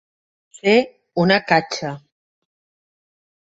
Fer una catxa.